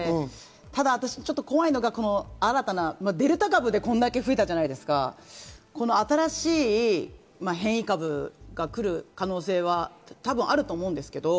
ただ怖いのはデルタ株でこんだけ増えたじゃないですか、新しい変異株が来る可能性はあると思うんですけれども。